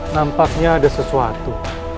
nampaknya ada sesuatu